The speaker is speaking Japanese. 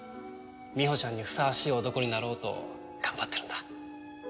みほちゃんにふさわしい男になろうと頑張ってるんだ。